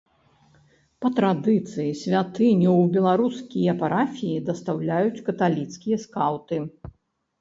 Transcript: Па традыцыі святыню ў беларускія парафіі дастаўляюць каталіцкія скаўты.